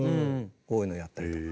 こういうのやったりとか。